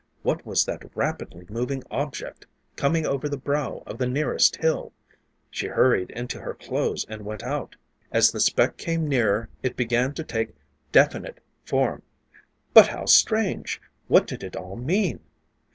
What was that rapidly moving object coming over the brow of the nearest hill? She hurried into her clothes and went out. As the speck came nearer it began to take definite form. But how strange! What did it all mean?